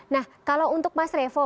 nah kalau untuk mas revo